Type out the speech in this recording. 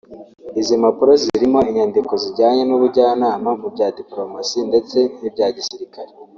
Izi mpapuro zirimo inyandiko zijyanye n’ubujyanama mu bya dipolomasi ndetse n’ibya gisirikare